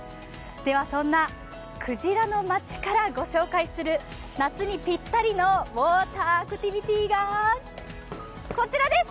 ではそんなくじらの町からご紹介する夏にぴったりのウォーターアクティビティーがこちらです。